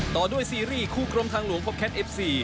ต่อด้วยซีรีส์คู่กรมทางหลวงพบแคทเอฟซี